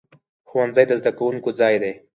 ښوونځی د زده کوونکو ځای دی.